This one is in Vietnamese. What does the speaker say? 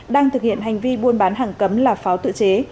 đang thực hiện hành vi buôn bán hàng cấm là pháo tự chế